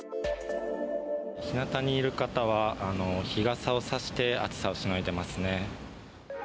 日なたにいる方は日傘を差して暑さをしのいでいますね。